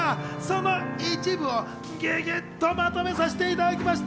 その一部をギュギュっとまとめさしていただきました。